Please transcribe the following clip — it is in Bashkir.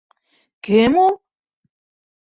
Кем ул?!